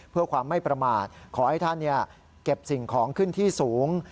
เพื่อความไม่ประมาทขอให้ท่านเก็บสิ่งของขึ้นที่สูง